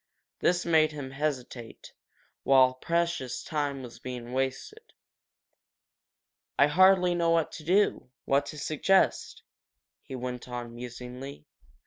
This made him hesitate, while precious time was being wasted. "I hardly know what to do what to suggest," he went on, musingly.